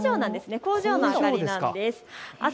工場の明かりなんです。